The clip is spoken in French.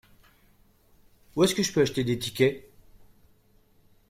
Où est-ce que je peux acheter des tickets ?